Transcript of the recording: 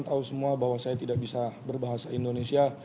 tahu semua bahwa saya tidak bisa berbahasa indonesia